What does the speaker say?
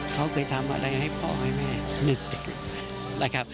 เขาเคยทำอะไรให้พ่อให้แม่นึกนะครับ